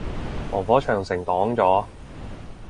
防火長城擋咗